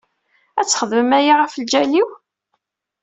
Ad txedmem aya ɣef lǧal-iw?